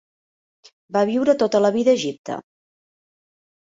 Va viure tota la vida a Egipte.